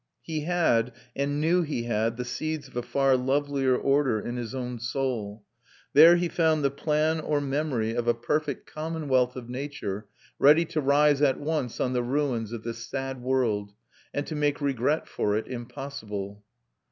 He had, and knew he had, the seeds of a far lovelier order in his own soul; there he found the plan or memory of a perfect commonwealth of nature ready to rise at once on the ruins of this sad world, and to make regret for it impossible.